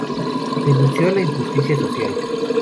Denunció la injusticia social.